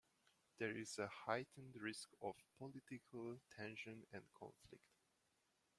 There is a heightened risk of political tension and conflict.